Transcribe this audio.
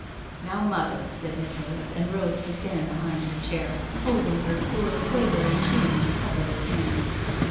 "Now, mother!" said Nicholas, and rose to stand behind her chair, holding her poor, quavering chin in the cup of his hand.